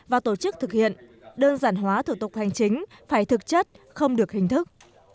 và tổ chức thực hiện đơn giản hóa thủ tục hành chính phải thực chất không được hình thức